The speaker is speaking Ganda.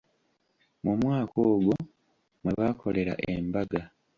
Mu mwaka ogwo mwe baakolera embaga.